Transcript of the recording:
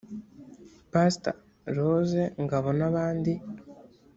Pastor Rose Ngabo n’abandi